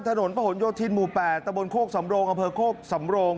ถนนประหลโยธินหมู่๘ตะบนโคกสำโรงอำเภอโคกสำโรง